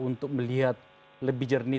untuk melihat lebih jernih